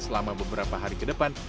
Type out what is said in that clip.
selama beberapa hari ke depan